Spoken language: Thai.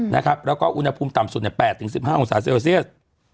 แล้วก็อุณหภูมิต่ำสุด๘๑๕องศาเซลเซียส